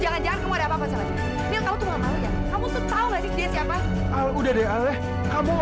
kok kamu malah ngebelain dia